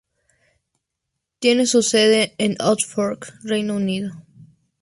Tiene su sede en Oxford, Reino Unido.